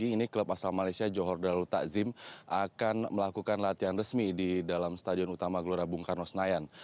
ini adalah pertandingan latihan resmi di dalam stadion utama gelora bung karno senayan